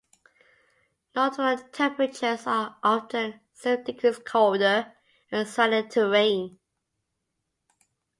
Nocturnal temperatures are often several degrees colder than the surrounding terrain.